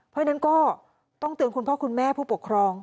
เพราะฉะนั้นก็ต้องเตือนคุณพ่อคุณแม่ผู้ปกครอง